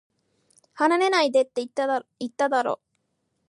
離れないでって、言っただろ